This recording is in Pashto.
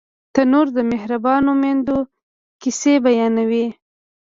تنور د مهربانو میندو کیسې بیانوي